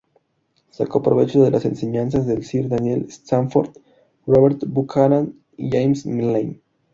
Sacó provecho de las enseñanzas de Sir Daniel Sandford, Robert Buchanan y James Milne.